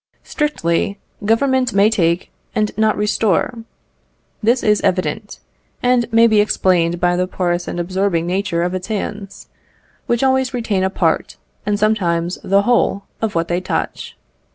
Strictly, Government may take and not restore. This is evident, and may be explained by the porous and absorbing nature of its hands, which always retain a part, and sometimes the whole, of what they touch.